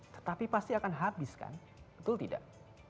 tetapi pasti akan habis kan betul tidak